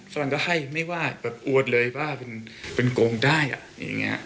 ฝรั่งก็ให้ไม่ว่าอวดเลยว่าเป็นโกงได้